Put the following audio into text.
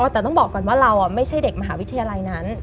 แต่ต้องบอกก่อนว่าเราไม่ใช่เด็กมหาวิทยาลัยนั้น